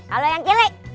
kalau yang kiri